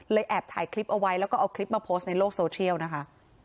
แอบถ่ายคลิปเอาไว้แล้วก็เอาคลิปมาโพสต์ในโลกโซเชียลนะคะ